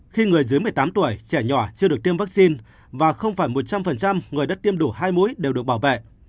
khi người dưới một mươi tám tuổi trẻ nhỏ chưa được tiêm vaccine và không phải một trăm linh người đã tiêm đủ hai mũi đều được bảo vệ